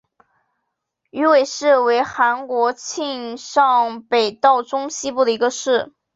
龟尾市为韩国庆尚北道中西部的一个市。